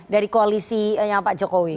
dari koalisi pak jokowi